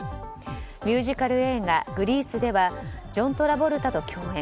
ミュージカル映画「グリース」ではジョン・トラボルタと共演。